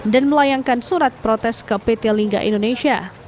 dan melayangkan surat protes ke pt lingga indonesia